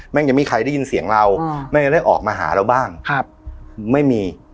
ยังไม่มีใครได้ยินเสียงเราแม่งได้ออกมาหาเราบ้างครับไม่มี